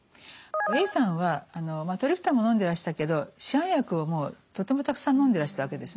Ａさんはトリプタンものんでらしたけど市販薬をもうとてもたくさんのんでらしたわけですね。